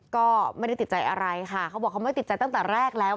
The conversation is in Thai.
ก็ไม่ได้ติดใจอะไรค่ะเขาบอกเขาไม่ติดใจตั้งแต่แรกแล้ว